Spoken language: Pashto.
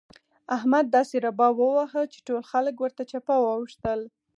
احمد داسې رباب وواهه چې ټول خلګ ورته چپه واوښتل.